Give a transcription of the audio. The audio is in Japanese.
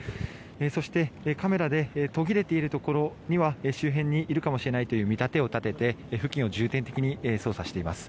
そして、カメラで途切れているところには周辺にいるかもしれないという見立てを立てて付近を重点的に捜査しています。